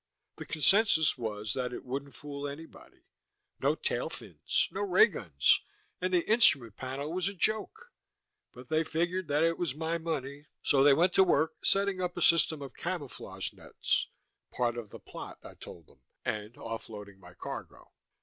The concensus was that it wouldn't fool anybody; no tail fins, no ray guns, and the instrument panel was a joke; but they figured that it was my money, so they went to work setting up a system of camouflage nets (part of the plot, I told them) and off loading my cargo.